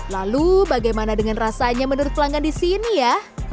lalu bagaimana dengan rasanya menurut pelanggan di sini ya